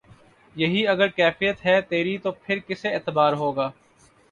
یہی اگر کیفیت ہے تیری تو پھر کسے اعتبار ہوگا